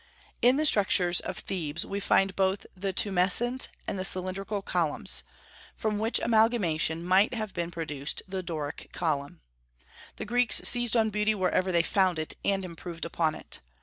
In the structures of Thebes we find both the tumescent and the cylindrical columns, from which amalgamation might have been produced the Doric column. The Greeks seized on beauty wherever they found it, and improved upon it.